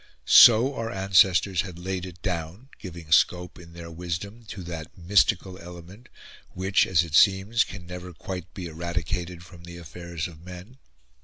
So our ancestors had laid it down, giving scope, in their wisdom, to that mystical element which, as it seems, can never quite be eradicated from the affairs of men.